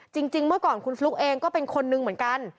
จริงเมื่อก่อนคุณฟลุ๊กเองก็เป็นคนนึงเหมือนกัน